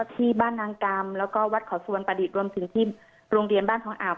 ที่บ้านนางกรรมแล้วก็วัดเขาสวรรประดิษฐ์รวมถึงที่โรงเรียนบ้านทองอาบ